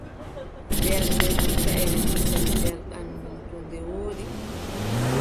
Ɓernde, ɗum taʼre kusel nder ɓanndu, to nde woodi,